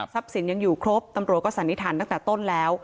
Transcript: สินยังอยู่ครบตำรวจก็สันนิษฐานตั้งแต่ต้นแล้ว